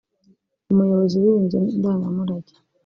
umuyobozi w’iyi nzu ndangamurage